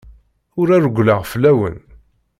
Ur rewwleɣ fell-awen.